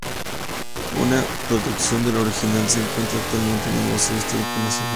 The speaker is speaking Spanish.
Una reproducción del original se encuentra actualmente en el Museo Histórico Nacional.